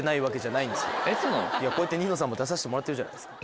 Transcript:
こうやって『ニノさん』も出させてもらってるじゃないですか。